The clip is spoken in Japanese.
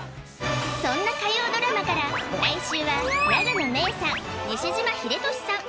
そんな火曜ドラマから来週は永野芽郁さん西島秀俊さん